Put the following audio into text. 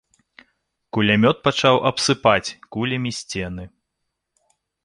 Кулямёт пачаў абсыпаць кулямі сцены.